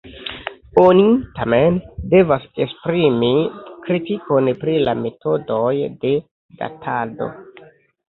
Oni, tamen, devas esprimi kritikon pri la metodoj de datado.